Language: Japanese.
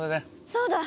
そうだ！